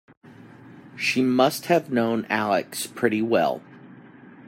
She must have known Alex pretty well.